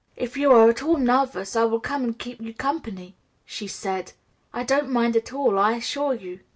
"If you are at all nervous, I will come and keep you company," she said; "I don't mind at all, I assure you."